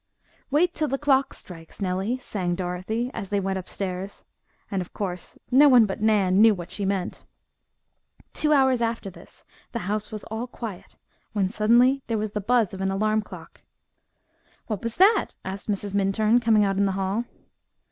"Wait till the clock strikes, Nellie," sang Dorothy, as they went upstairs, and, of course, no one but Nan knew what she meant. Two hours after this the house was all quiet, when suddenly, there was the buzz of an alarm clock. "What was that?" asked Mrs. Minturn, coming out in the hall.